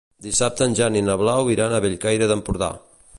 Dissabte en Jan i na Blau iran a Bellcaire d'Empordà.